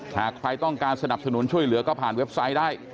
หากใครต้องการสนับสนุนช่วยเหลือก็ผ่านเว็บไซต์ได้